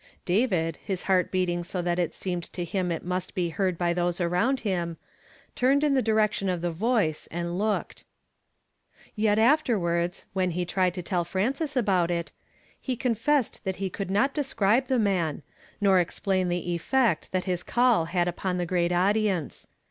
David, his heart beating so that it seemed to him it must be heard by those around him, turned in the direction of the voice, and looked. Yet afterwards, when he tried to tell Frances about it, he confessed that he could not describe the man, nor explain the effect that his call had upon the great audience.